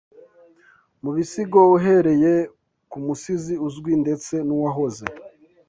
mubisigo uhereye kumusizi uzwi ndetse nuwahoze